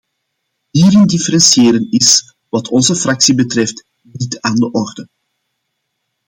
Hierin differentiëren is, wat onze fractie betreft, niet aan de orde.